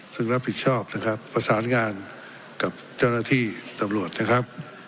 ซึ่งรับผิดชอบนะครับประสานงานกับเจ้าหน้าที่ตำรวจนะครับ